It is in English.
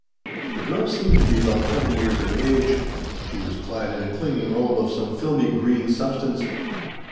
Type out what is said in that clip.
The girl seemed to be about twenty years of age. She was clad in a clinging robe of some filmy green substance.